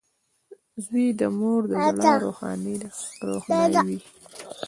• زوی د مور د زړۀ روښنایي وي.